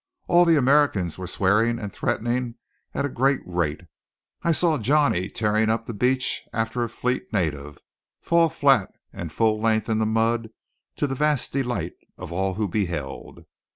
All the Americans were swearing and threatening at a great rate. I saw Johnny, tearing up the beach after a fleet native, fall flat and full length in the mud, to the vast delight of all who beheld.